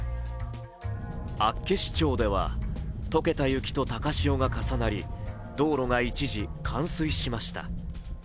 厚岸町では溶けた雪と高潮が重なり道路が一時、冠水しました。